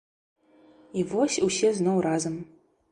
І вось усе зноў разам.